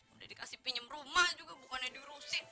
udah dikasih pinjam rumah juga bukannya diurusin